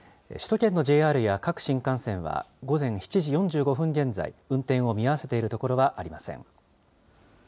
首都圏のＪＲや各新幹線は、午前７時４５分現在、運転を見合わせている所はありません。